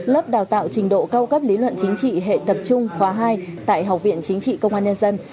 lớp đào tạo trình độ cao cấp lý luận chính trị hệ tập trung khóa hai tại học viện chính trị công an nhân dân